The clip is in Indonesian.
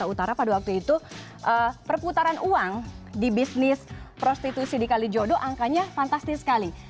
utara pada waktu itu perputaran uang di bisnis prostitusi di kalijodo angkanya fantastis sekali